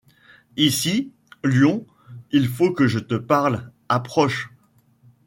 Ici, lion ! il faut que je te parle. Approche.